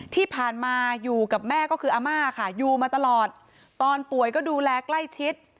ที่ผ่านมาอยู่กับแม่ก็คืออาม่าค่ะอยู่มาตลอดตอนป่วยก็ดูแลใกล้ชิด